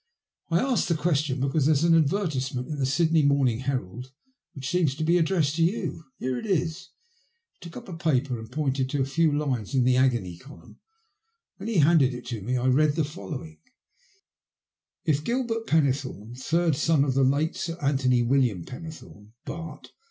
"I ask the question because there's an advertise ment in the Sydney Morning Herald which seems to be addressed to you. Here it is !" He took up a paper and pointed to a few lines in the " agony " column. When he handed it to me I read the following :—" If Gilbert Pennethome, third son of the late Sir Anthony William Pennethome, Bart.